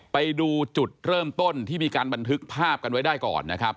ไปดูจุดเริ่มต้นที่มีการบันทึกภาพกันไว้ได้ก่อนนะครับ